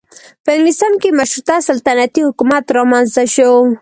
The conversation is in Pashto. په انګلستان کې مشروطه سلطنتي حکومت رامنځته شو.